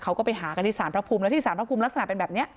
เขาก็ไปหากันที่สารพระภูมิแล้วที่สารพระภูมิลักษณะเป็นแบบนี้